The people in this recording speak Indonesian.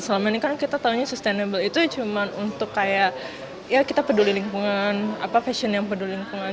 selama ini kan kita tahunya sustainable itu cuma untuk kayak ya kita peduli lingkungan fashion yang peduli lingkungan